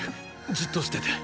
じっとしてて。